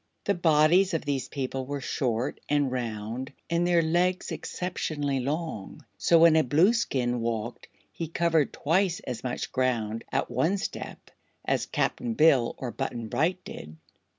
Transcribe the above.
The bodies of these people were short and round and their legs exceptionally long, so when a Blueskin walked he covered twice as much ground at one step as Cap'n Bill or Button Bright did.